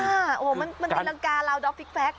ค่ะโอ้โหมันตีลังกาลาวดอกฟิกแฟค